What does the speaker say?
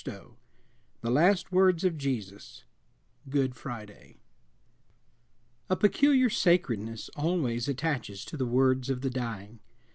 XXVII THE LAST WORDS OF JESUS Good Friday A peculiar sacredness always attaches to the words of the dying.